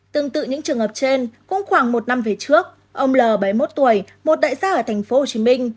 tương tự những trường hợp trên cũng khoảng một năm về trước ông l bảy mươi một tuổi một đại gia ở tp hcm